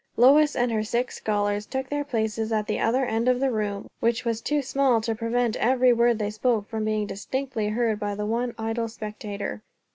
Lois and her six scholars took their places at the other end of the room, which was too small to prevent every word they spoke from being distinctly heard by the one idle spectator.